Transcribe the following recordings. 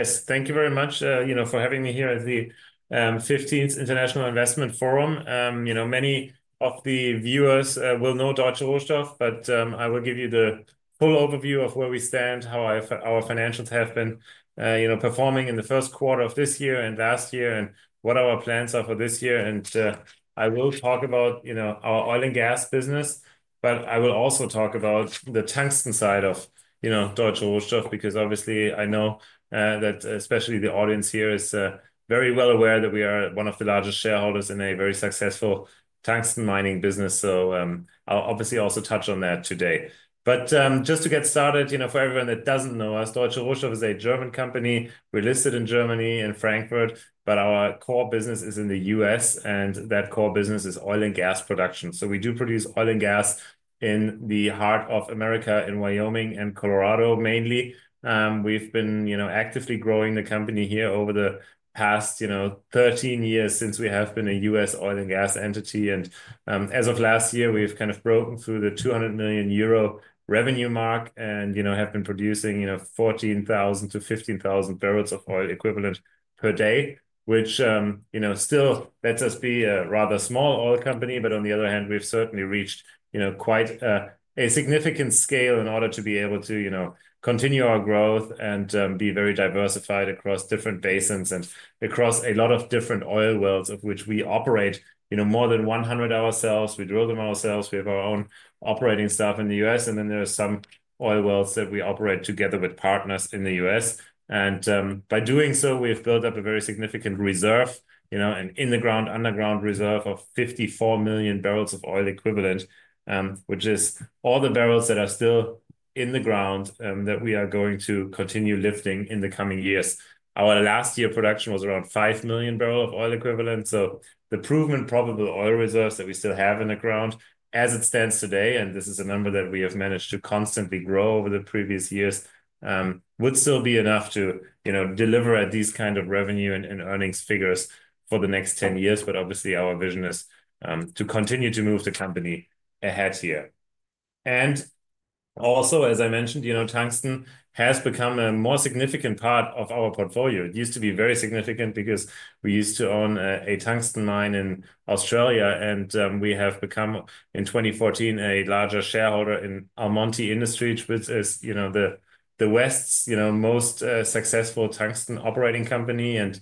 Yes, thank you very much for having me here at the 15th International Investment Forum. Many of the viewers will know Deutsche Rohstoff, but I will give you the full overview of where we stand, how our financials have been performing in the first quarter of this year and last year, and what our plans are for this year. I will talk about our oil and gas business, but I will also talk about the tungsten side of Deutsche Rohstoff, because obviously I know that especially the audience here is very well aware that we are one of the largest shareholders in a very successful tungsten mining business. I'll obviously also touch on that today. Just to get started, for everyone that does not know us, Deutsche Rohstoff is a German company. We're listed in Germany and Frankfurt, but our core business is in the U.S., and that core business is oil and gas production. We do produce oil and gas in the heart of America, in Wyoming and Colorado mainly. We've been actively growing the company here over the past 13 years since we have been a U.S. oil and gas entity. As of last year, we've kind of broken through the 200 million euro revenue mark and have been producing 14,000-15,000 barrels of oil equivalent per day, which still lets us be a rather small oil company. On the other hand, we've certainly reached quite a significant scale in order to be able to continue our growth and be very diversified across different basins and across a lot of different oil wells of which we operate more than 100 ourselves. We drill them ourselves. We have our own operating staff in the US. Then there are some oil wells that we operate together with partners in the U.S. By doing so, we have built up a very significant reserve, an underground reserve of 54 million barrels of oil equivalent, which is all the barrels that are still in the ground that we are going to continue lifting in the coming years. Our last year production was around 5 million barrels of oil equivalent. The proven probable oil reserves that we still have in the ground as it stands today, and this is a number that we have managed to constantly grow over the previous years, would still be enough to deliver at these kinds of revenue and earnings figures for the next 10 years. Obviously, our vision is to continue to move the company ahead here. Also, as I mentioned, tungsten has become a more significant part of our portfolio. It used to be very significant because we used to own a tungsten mine in Australia, and we have become, in 2014, a larger shareholder in Almonty Industries, which is the West's most successful tungsten operating company.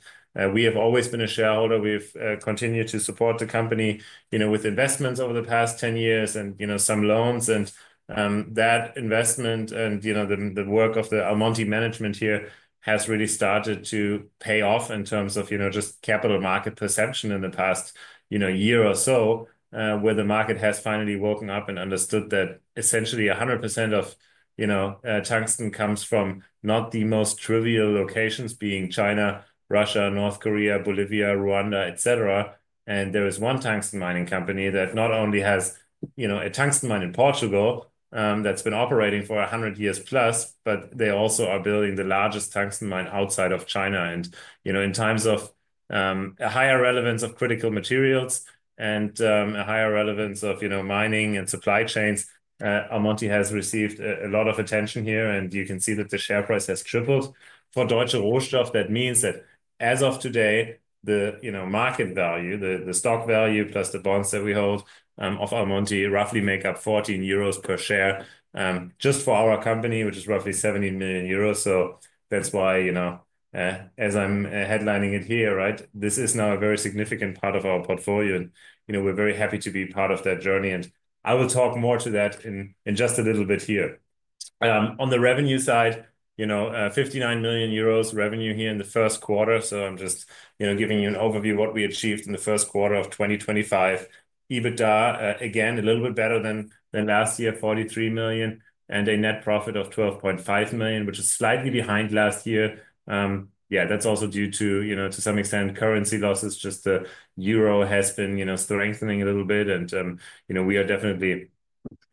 We have always been a shareholder. We've continued to support the company with investments over the past 10 years and some loans. That investment and the work of the Almonty management here has really started to pay off in terms of just capital market perception in the past year or so, where the market has finally woken up and understood that essentially 100% of tungsten comes from not the most trivial locations, being China, Russia, North Korea, Bolivia, Rwanda, et cetera. There is one tungsten mining company that not only has a tungsten mine in Portugal that has been operating for 100 years plus, but they also are building the largest tungsten mine outside of China. In times of a higher relevance of critical materials and a higher relevance of mining and supply chains, Almonty has received a lot of attention here. You can see that the share price has tripled. For Deutsche Rohstoff, that means that as of today, the market value, the stock value plus the bonds that we hold of Almonty roughly make up 14 euros per share just for our company, which is roughly 70 million euros. That is why, as I am headlining it here, this is now a very significant part of our portfolio. We are very happy to be part of that journey. I will talk more to that in just a little bit here. On the revenue side, 59 million euros revenue here in the first quarter. I am just giving you an overview of what we achieved in the first quarter of 2025. EBITDA, again, a little bit better than last year, 43 million, and a net profit of 12.5 million, which is slightly behind last year. Yeah, that is also due to, to some extent, currency losses. Just the euro has been strengthening a little bit. We are definitely,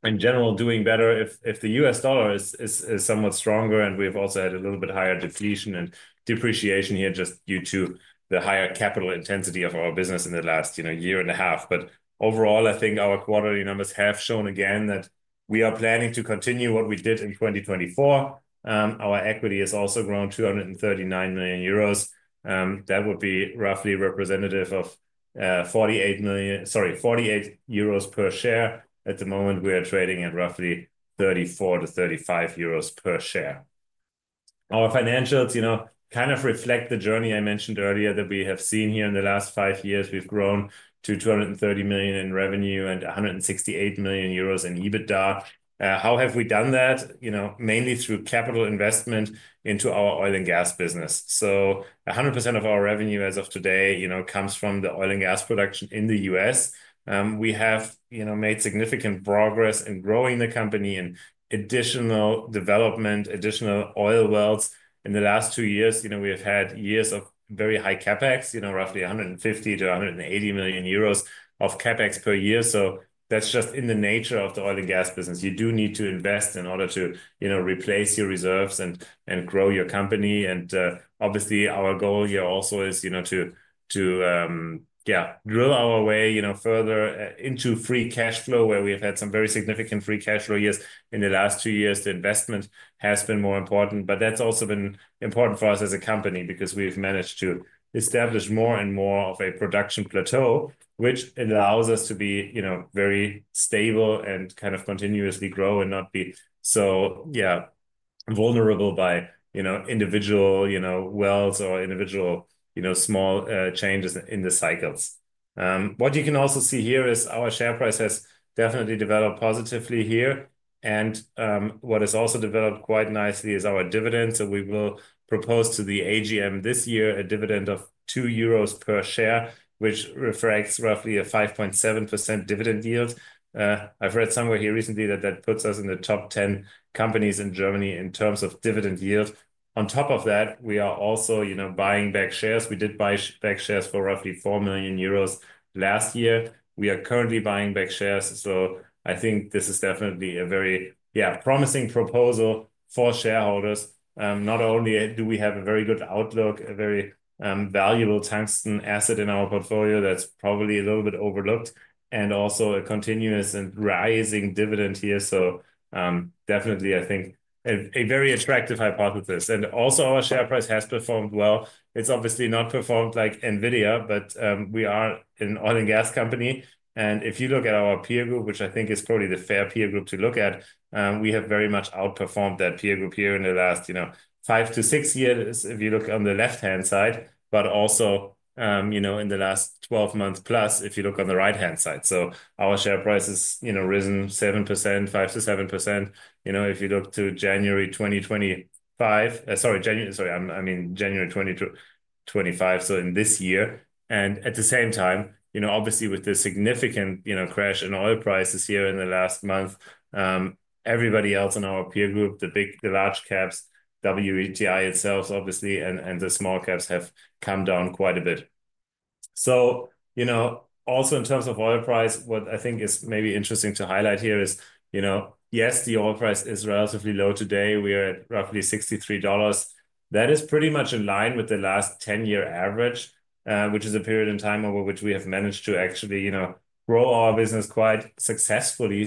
in general, doing better if the U.S. dollar is somewhat stronger. We have also had a little bit higher depletion and depreciation here just due to the higher capital intensity of our business in the last year and a half. Overall, I think our quarterly numbers have shown again that we are planning to continue what we did in 2024. Our equity has also grown 239 million euros. That would be roughly representative of 48 per share. At the moment, we are trading at roughly 34-35 euros per share. Our financials kind of reflect the journey I mentioned earlier that we have seen here in the last five years. We've grown to 230 million in revenue and 168 million euros in EBITDA. How have we done that? Mainly through capital investment into our oil and gas business. 100% of our revenue as of today comes from the oil and gas production in the U.S. We have made significant progress in growing the company and additional development, additional oil wells. In the last two years, we have had years of very high CapEx, roughly 150-180 million euros of CapEx per year. That is just in the nature of the oil and gas business. You do need to invest in order to replace your reserves and grow your company. Obviously, our goal here also is to drill our way further into free cash flow, where we have had some very significant free cash flow years in the last two years. The investment has been more important. That has also been important for us as a company because we have managed to establish more and more of a production plateau, which allows us to be very stable and kind of continuously grow and not be so vulnerable by individual wells or individual small changes in the cycles. What you can also see here is our share price has definitely developed positively here. What has also developed quite nicely is our dividends. We will propose to the AGM this year a dividend of 2 euros per share, which reflects roughly a 5.7% dividend yield. I've read somewhere here recently that that puts us in the top 10 companies in Germany in terms of dividend yield. On top of that, we are also buying back shares. We did buy back shares for roughly 4 million euros last year. We are currently buying back shares. I think this is definitely a very promising proposal for shareholders. Not only do we have a very good outlook, a very valuable tungsten asset in our portfolio that's probably a little bit overlooked, and also a continuous and rising dividend here. I think a very attractive hypothesis. Also, our share price has performed well. It's obviously not performed like Nvidia, but we are an oil and gas company. If you look at our peer group, which I think is probably the fair peer group to look at, we have very much outperformed that peer group here in the last five to six years, if you look on the left-hand side, but also in the last 12 months plus, if you look on the right-hand side. Our share price has risen 7%, 5%-7%. If you look to January 2025, sorry, sorry, I mean January 2025, in this year. At the same time, obviously, with the significant crash in oil prices here in the last month, everybody else in our peer group, the large caps, WETI itself, obviously, and the small caps have come down quite a bit. Also in terms of oil price, what I think is maybe interesting to highlight here is, yes, the oil price is relatively low today. We are at roughly $63. That is pretty much in line with the last 10-year average, which is a period in time over which we have managed to actually grow our business quite successfully.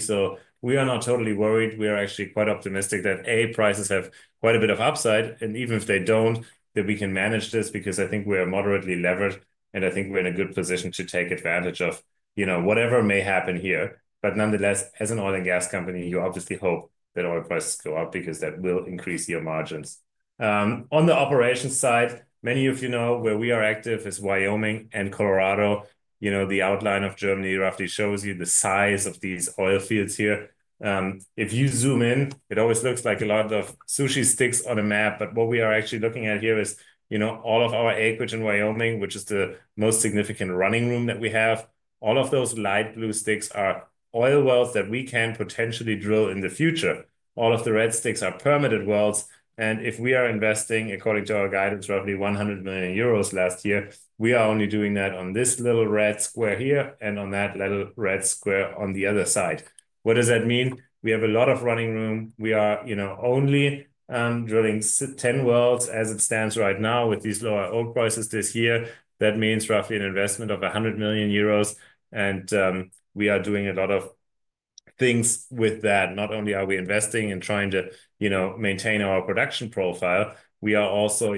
We are not totally worried. We are actually quite optimistic that, A, prices have quite a bit of upside. Even if they do not, we can manage this because I think we are moderately levered. I think we are in a good position to take advantage of whatever may happen here. Nonetheless, as an oil and gas company, you obviously hope that oil prices go up because that will increase your margins. On the operations side, many of you know where we are active is Wyoming and Colorado. The outline of Germany roughly shows you the size of these oil fields here. If you zoom in, it always looks like a lot of sushi sticks on a map. What we are actually looking at here is all of our acreage in Wyoming, which is the most significant running room that we have. All of those light blue sticks are oil wells that we can potentially drill in the future. All of the red sticks are permitted wells. If we are investing, according to our guidance, roughly 100 million euros last year, we are only doing that on this little red square here and on that little red square on the other side. What does that mean? We have a lot of running room. We are only drilling 10 wells as it stands right now with these lower oil prices this year. That means roughly an investment of 100 million euros. We are doing a lot of things with that. Not only are we investing and trying to maintain our production profile, we are also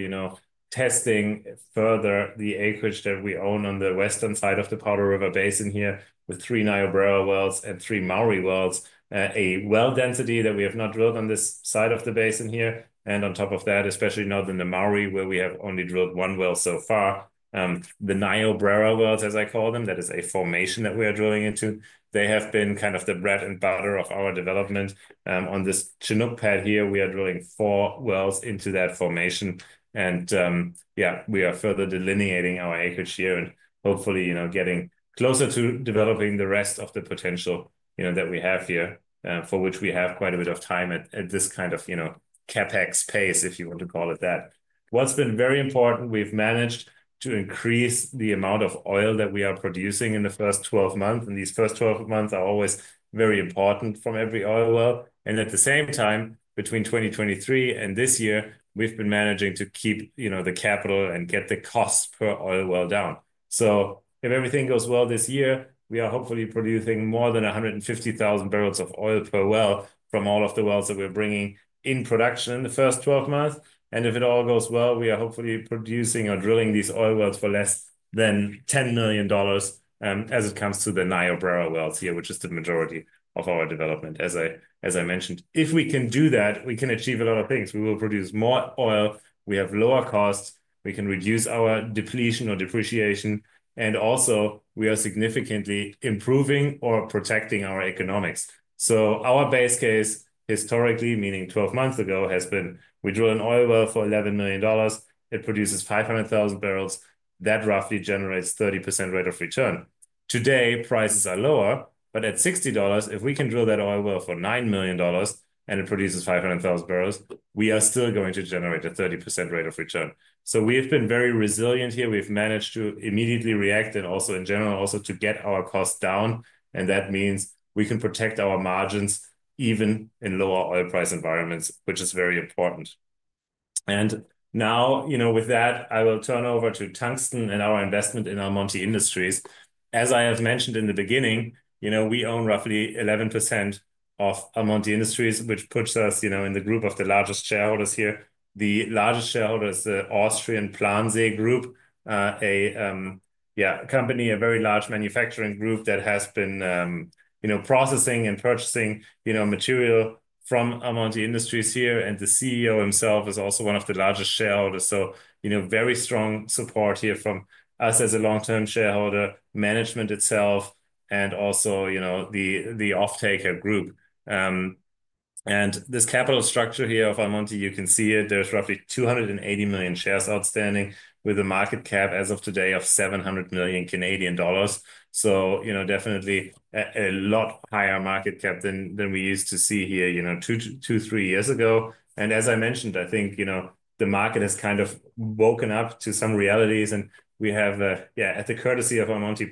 testing further the acreage that we own on the western side of the Powder River Basin here with three Niobrara wells and three Mowry wells, a well density that we have not drilled on this side of the basin here. On top of that, especially northern the Mowry, where we have only drilled one well so far, the Niobrara wells, as I call them, that is a formation that we are drilling into. They have been kind of the bread and butter of our development. On this Chinook pad here, we are drilling four wells into that formation. Yeah, we are further delineating our acreage here and hopefully getting closer to developing the rest of the potential that we have here, for which we have quite a bit of time at this kind of CapEx pace, if you want to call it that. What's been very important, we've managed to increase the amount of oil that we are producing in the first 12 months. These first 12 months are always very important from every oil well. At the same time, between 2023 and this year, we've been managing to keep the capital and get the cost per oil well down. If everything goes well this year, we are hopefully producing more than 150,000 barrels of oil per well from all of the wells that we're bringing in production in the first 12 months. If it all goes well, we are hopefully producing or drilling these oil wells for less than $10 million as it comes to the Niobrara wells here, which is the majority of our development. As I mentioned, if we can do that, we can achieve a lot of things. We will produce more oil. We have lower costs. We can reduce our depletion or depreciation. Also, we are significantly improving or protecting our economics. Our base case, historically, meaning 12 months ago, has been we drill an oil well for $11 million. It produces 500,000 barrels. That roughly generates a 30% rate of return. Today, prices are lower. At $60, if we can drill that oil well for $9 million and it produces 500,000 barrels, we are still going to generate a 30% rate of return. We have been very resilient here. have managed to immediately react and also, in general, also to get our costs down. That means we can protect our margins even in lower oil price environments, which is very important. Now, with that, I will turn over to tungsten and our investment in Almonty Industries. As I have mentioned in the beginning, we own roughly 11% of Almonty Industries, which puts us in the group of the largest shareholders here. The largest shareholder is the Austrian Plansee Group, a company, a very large manufacturing group that has been processing and purchasing material from Almonty Industries here. The CEO himself is also one of the largest shareholders. Very strong support here from us as a long-term shareholder, management itself, and also the off-taker group. This capital structure here of Almonty, you can see it. There's roughly 280 million shares outstanding with a market cap as of today of $700 million Canadian dollars. Definitely a lot higher market cap than we used to see here two, three years ago. As I mentioned, I think the market has kind of woken up to some realities. We have, yeah, at the courtesy of Almonty,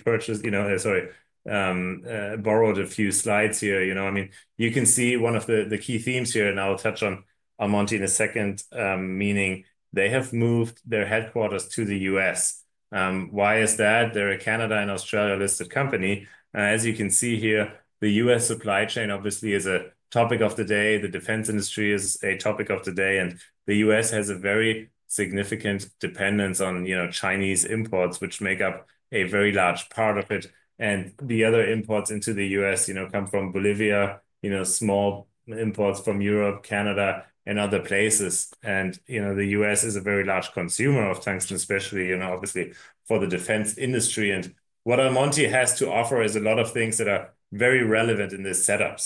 borrowed a few slides here. I mean, you can see one of the key themes here, and I'll touch on Almonty in a second, meaning they have moved their headquarters to the US. Why is that? They're a Canada and Australia-listed company. As you can see here, the U.S. supply chain, obviously, is a topic of the day. The defense industry is a topic of the day. The U.S. has a very significant dependence on Chinese imports, which make up a very large part of it. The other imports into the U.S. come from Bolivia, small imports from Europe, Canada, and other places. The U.S. is a very large consumer of tungsten, especially obviously for the defense industry. What Almonty has to offer is a lot of things that are very relevant in this setup.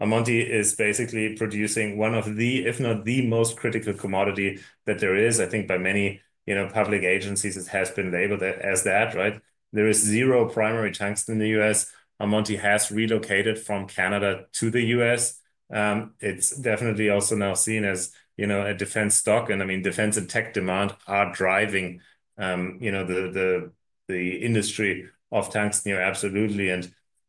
Almonty is basically producing one of the, if not the most critical commodity that there is. I think by many public agencies, it has been labeled as that, right? There is zero primary tungsten in the U.S. Almonty has relocated from Canada to the U.S. It is definitely also now seen as a defense stock. I mean, defense and tech demand are driving the industry of tungsten, absolutely.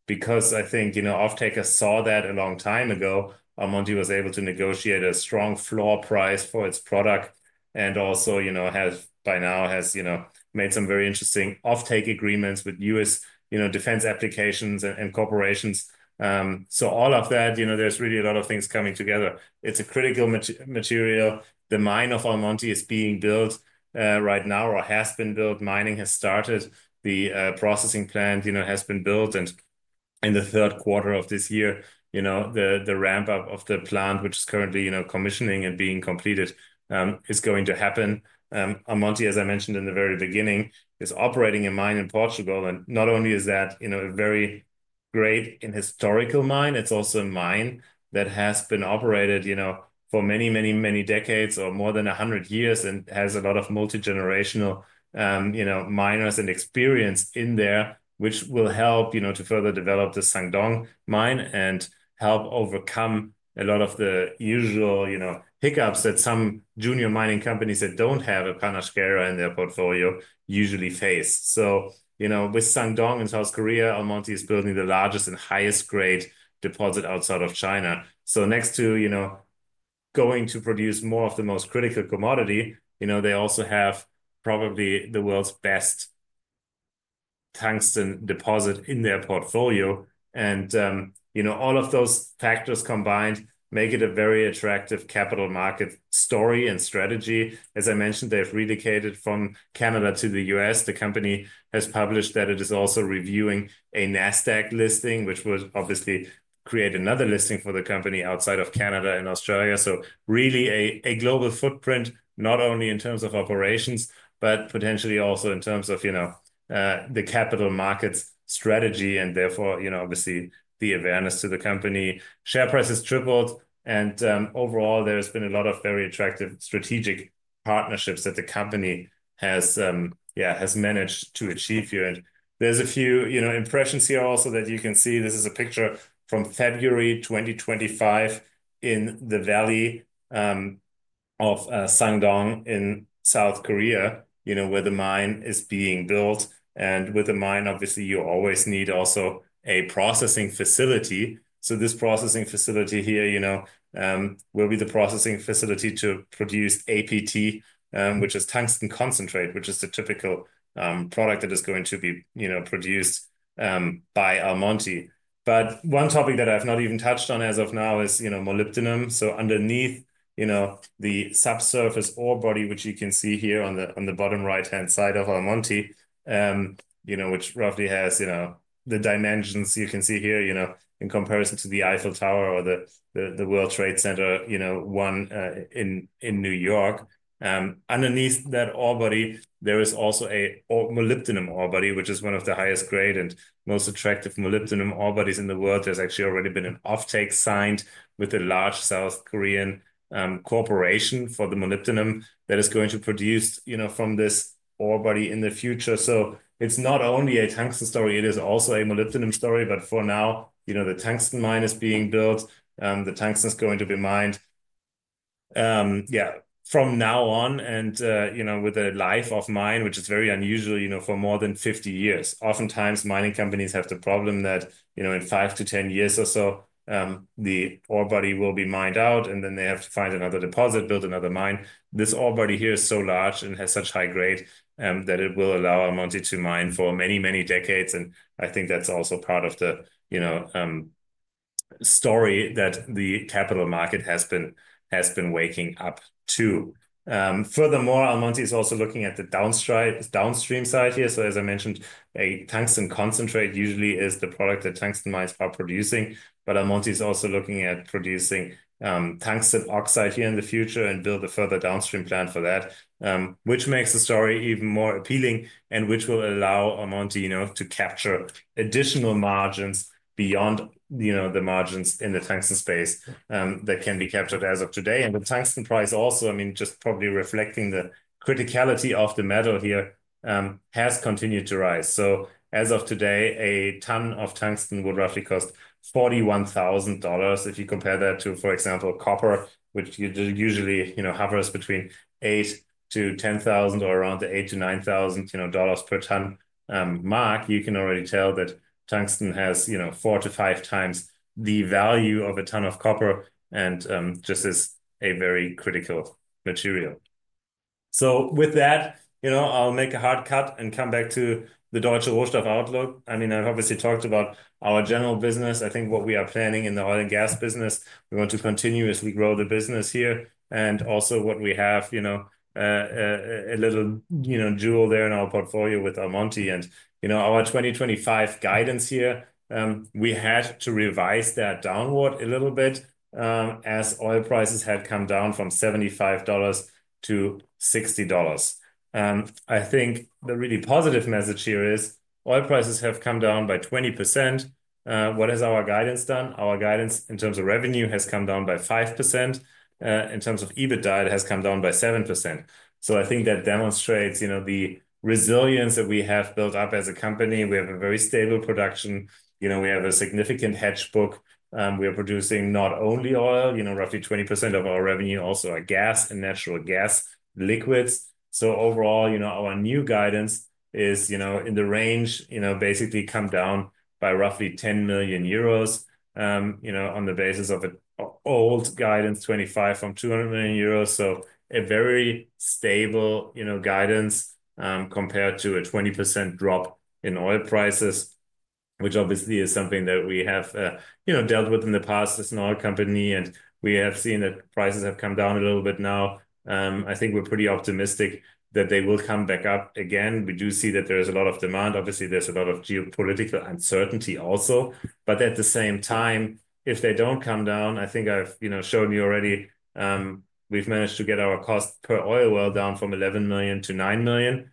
Because I think off-taker saw that a long time ago, Almonty was able to negotiate a strong floor price for its product and also by now has made some very interesting off-take agreements with U.S. defense applications and corporations. All of that, there's really a lot of things coming together. It's a critical material. The mine of Almonty is being built right now or has been built. Mining has started. The processing plant has been built. In the third quarter of this year, the ramp-up of the plant, which is currently commissioning and being completed, is going to happen. Almonty, as I mentioned in the very beginning, is operating a mine in Portugal. Not only is that a very great and historical mine, it's also a mine that has been operated for many, many, many decades or more than 100 years and has a lot of multi-generational miners and experience in there, which will help to further develop the Sangdong mine and help overcome a lot of the usual hiccups that some junior mining companies that do not have a Panache Carrier in their portfolio usually face. With Sangdong in South Korea, Almonty is building the largest and highest-grade deposit outside of China. Next to going to produce more of the most critical commodity, they also have probably the world's best tungsten deposit in their portfolio. All of those factors combined make it a very attractive capital market story and strategy. As I mentioned, they have relocated from Canada to the United States. The company has published that it is also reviewing a Nasdaq listing, which would obviously create another listing for the company outside of Canada and Australia. Really a global footprint, not only in terms of operations, but potentially also in terms of the capital markets strategy and therefore, obviously, the awareness to the company. Share price has tripled. Overall, there has been a lot of very attractive strategic partnerships that the company has managed to achieve here. There are a few impressions here also that you can see. This is a picture from February 2025 in the valley of Sangdong in South Korea, where the mine is being built. With the mine, obviously, you always need also a processing facility. This processing facility here will be the processing facility to produce APT, which is tungsten concentrate, which is the typical product that is going to be produced by Almonty. One topic that I have not even touched on as of now is molybdenum. Underneath the subsurface ore body, which you can see here on the bottom right-hand side of Almonty, which roughly has the dimensions you can see here in comparison to the Eiffel Tower or the World Trade Center, one in New York. Underneath that ore body, there is also a molybdenum ore body, which is one of the highest-grade and most attractive molybdenum ore bodies in the world. There has actually already been an off-take signed with a large South Korean corporation for the molybdenum that is going to be produced from this ore body in the future. It is not only a tungsten story. It is also a molybdenum story. For now, the tungsten mine is being built. The tungsten is going to be mined, yeah, from now on and with a life of mine, which is very unusual, for more than 50 years. Oftentimes, mining companies have the problem that in 5-10 years or so, the ore body will be mined out. They have to find another deposit, build another mine. This ore body here is so large and has such high grade that it will allow Almonty to mine for many, many decades. I think that is also part of the story that the capital market has been waking up to. Furthermore, Almonty is also looking at the downstream side here. As I mentioned, a tungsten concentrate usually is the product that tungsten mines are producing. Almonty is also looking at producing tungsten oxide here in the future and build a further downstream plan for that, which makes the story even more appealing and which will allow Almonty to capture additional margins beyond the margins in the tungsten space that can be captured as of today. The tungsten price also, I mean, just probably reflecting the criticality of the metal here, has continued to rise. As of today, a ton of tungsten would roughly cost $41,000. If you compare that to, for example, copper, which usually hovers between $8,000-$10,000 or around the $8,000-$9,000 per ton mark, you can already tell that tungsten has four to five times the value of a ton of copper and just is a very critical material. With that, I'll make a hard cut and come back to the Deutsche Rohstoff Ausschuss. I mean, I've obviously talked about our general business. I think what we are planning in the oil and gas business, we want to continuously grow the business here. Also, what we have, a little jewel there in our portfolio with Almonty. Our 2025 guidance here, we had to revise that downward a little bit as oil prices had come down from $75 to $60. I think the really positive message here is oil prices have come down by 20%. What has our guidance done? Our guidance in terms of revenue has come down by 5%. In terms of EBITDA, it has come down by 7%. I think that demonstrates the resilience that we have built up as a company. We have a very stable production. We have a significant hedge book. We are producing not only oil, roughly 20% of our revenue, also our gas and natural gas liquids. Overall, our new guidance is in the range, basically come down by roughly 10 million euros on the basis of an old guidance, 25 from 200 million euros. A very stable guidance compared to a 20% drop in oil prices, which obviously is something that we have dealt with in the past as an oil company. We have seen that prices have come down a little bit now. I think we're pretty optimistic that they will come back up again. We do see that there is a lot of demand. Obviously, there's a lot of geopolitical uncertainty also. At the same time, if they do not come down, I think I've shown you already, we've managed to get our cost per oil well down from 11 million to 9 million.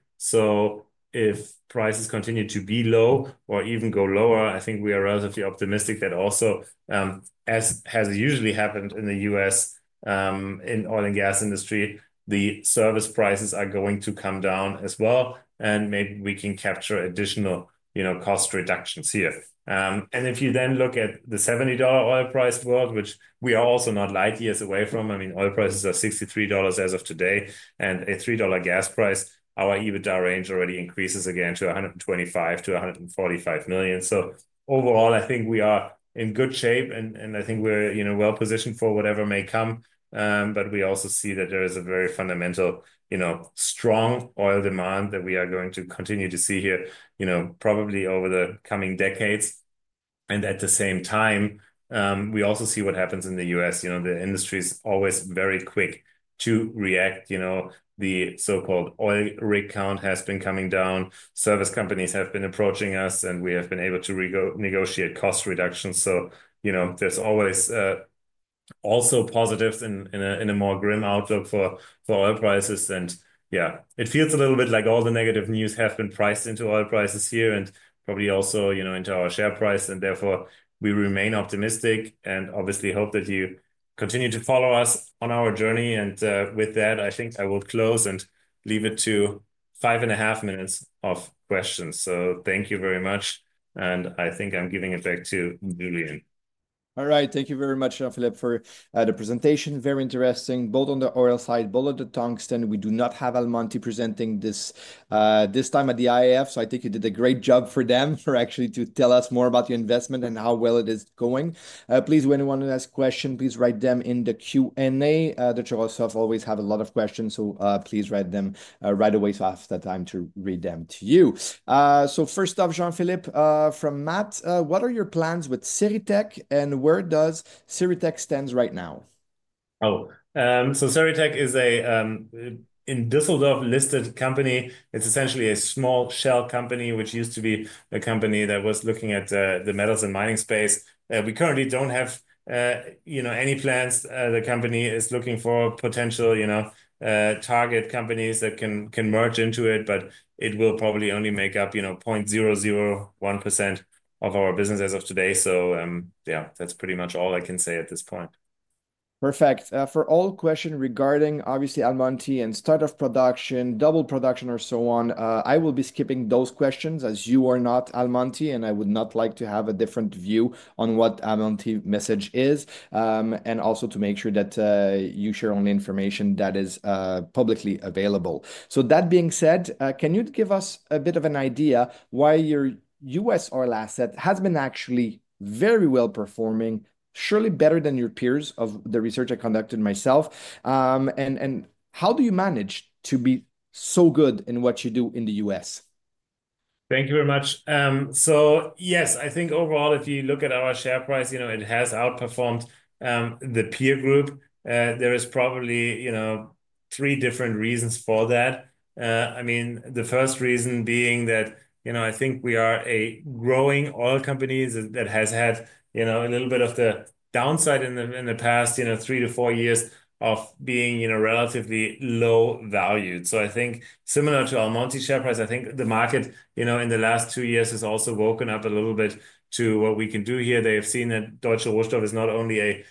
If prices continue to be low or even go lower, I think we are relatively optimistic that also, as has usually happened in the US in the oil and gas industry, the service prices are going to come down as well. Maybe we can capture additional cost reductions here. If you then look at the $70 oil price world, which we are also not light years away from, I mean, oil prices are $63 as of today. A $3 gas price, our EBITDA range already increases again to $125 million-$145 million. Overall, I think we are in good shape. I think we're well positioned for whatever may come. We also see that there is a very fundamental strong oil demand that we are going to continue to see here probably over the coming decades. At the same time, we also see what happens in the U.S. The industry is always very quick to react. The so-called oil rig count has been coming down. Service companies have been approaching us. We have been able to negotiate cost reductions. There are always also positives in a more grim outlook for oil prices. Yeah, it feels a little bit like all the negative news has been priced into oil prices here and probably also into our share price. Therefore, we remain optimistic and obviously hope that you continue to follow us on our journey. With that, I think I will close and leave it to five and a half minutes of questions. Thank you very much. I think I am giving it back to Julian. All right. Thank you very much, Jean-Philippe, for the presentation. Very interesting, both on the oil side, both on the tungsten. We do not have Almonty presenting this time at the IAF. I think you did a great job for them for actually to tell us more about the investment and how well it is going. Please, when you want to ask questions, please write them in the Q&A. The jurors always have a lot of questions. Please write them right away so I have the time to read them to you. First off, Jean-Philippe, from Matt, what are your plans with Cerytech and where does Cerytech stand right now? Oh, Cerytech is a Düsseldorf listed company. It's essentially a small shell company, which used to be a company that was looking at the metals and mining space. We currently do not have any plans. The company is looking for potential target companies that can merge into it. It will probably only make up 0.001% of our business as of today. Yeah, that's pretty much all I can say at this point. Perfect. For all questions regarding, obviously, Almonty and start of production, double production, or so on, I will be skipping those questions as you are not Almonty. I would not like to have a different view on what Almonty's message is and also to make sure that you share only information that is publicly available. That being said, can you give us a bit of an idea why your U.S. oil asset has been actually very well performing, surely better than your peers of the research I conducted myself? How do you manage to be so good in what you do in the U.S.? Thank you very much. Yes, I think overall, if you look at our share price, it has outperformed the peer group. There is probably three different reasons for that. I mean, the first reason being that I think we are a growing oil company that has had a little bit of the downside in the past three to four years of being relatively low valued. I think similar to Almonty’s share price, I think the market in the last two years has also woken up a little bit to what we can do here. They have seen that Deutsche Rohstoff is not only a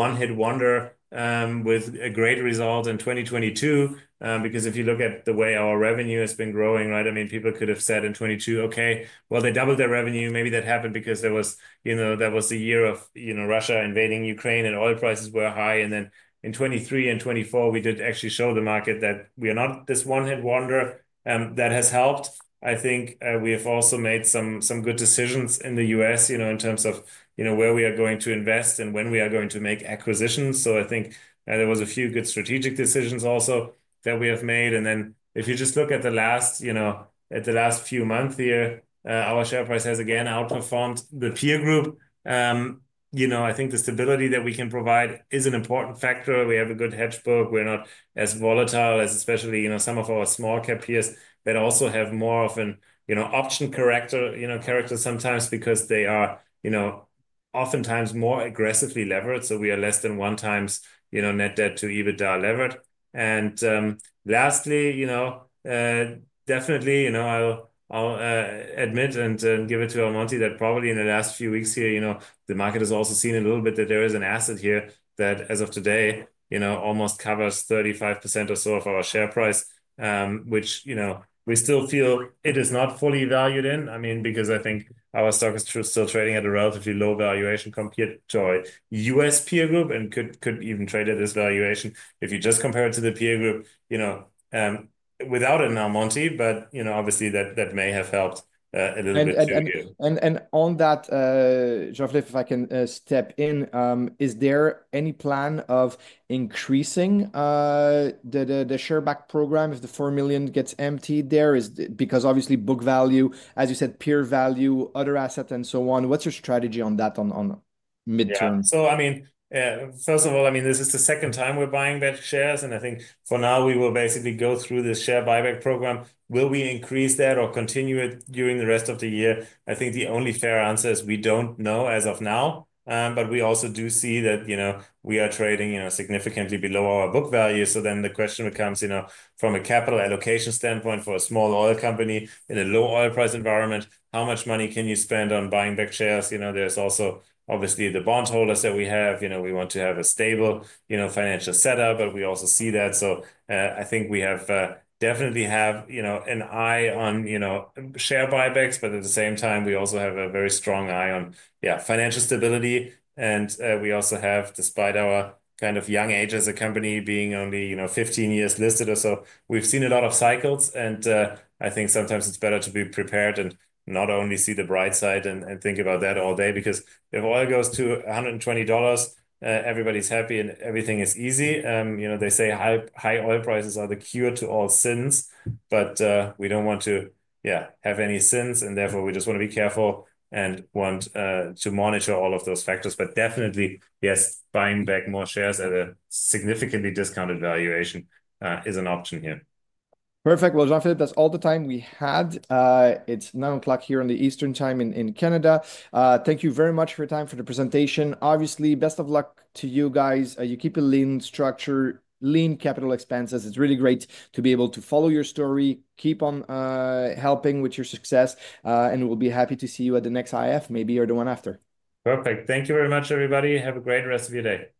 one-hit wonder with a great result in 2022. Because if you look at the way our revenue has been growing, right, I mean, people could have said in 2022, okay, well, they doubled their revenue. Maybe that happened because that was the year of Russia invading Ukraine and oil prices were high. In 2023 and 2024, we did actually show the market that we are not this one-hit wonder. That has helped. I think we have also made some good decisions in the U.S. in terms of where we are going to invest and when we are going to make acquisitions. I think there were a few good strategic decisions also that we have made. If you just look at the last few months here, our share price has again outperformed the peer group. I think the stability that we can provide is an important factor. We have a good hedge book. We're not as volatile as especially some of our small-cap peers that also have more of an option character sometimes because they are oftentimes more aggressively levered. We are less than one times net debt to EBITDA levered. Lastly, definitely, I'll admit and give it to Almonty that probably in the last few weeks here, the market has also seen a little bit that there is an asset here that as of today almost covers 35% or so of our share price, which we still feel it is not fully valued in. I mean, because I think our stock is still trading at a relatively low valuation compared to our US peer group and could even trade at this valuation if you just compare it to the peer group without an Almonty. Obviously, that may have helped a little bit. Thank you. On that, Jean-Philippe, if I can step in, is there any plan of increasing the share buyback program if the 4 million gets emptied there? Because obviously, book value, as you said, peer value, other assets, and so on. What is your strategy on that on midterm? Yeah. I mean, first of all, this is the second time we are buying back shares. I think for now, we will basically go through this share buyback program. Will we increase that or continue it during the rest of the year? I think the only fair answer is we do not know as of now. We also do see that we are trading significantly below our book value. The question becomes from a capital allocation standpoint for a small oil company in a low oil price environment, how much money can you spend on buying back shares? There's also obviously the bond holders that we have. We want to have a stable financial setup, but we also see that. I think we definitely have an eye on share buybacks. At the same time, we also have a very strong eye on, yeah, financial stability. We also have, despite our kind of young age as a company being only 15 years listed or so, we've seen a lot of cycles. I think sometimes it's better to be prepared and not only see the bright side and think about that all day. If oil goes to $120, everybody's happy and everything is easy. They say high oil prices are the cure to all sins. We do not want to, yeah, have any sins. Therefore, we just want to be careful and want to monitor all of those factors. Definitely, yes, buying back more shares at a significantly discounted valuation is an option here. Perfect. Jean-Philippe, that's all the time we had. It's 9:00 A.M. here on Eastern Time in Canada. Thank you very much for your time, for the presentation. Obviously, best of luck to you guys. You keep a lean structure, lean capital expenses. It's really great to be able to follow your story, keep on helping with your success. We'll be happy to see you at the next IAF, maybe or the one after. Perfect. Thank you very much, everybody. Have a great rest of your day.